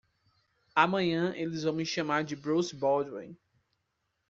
Amanhã eles vão me chamar de Bruce Baldwin.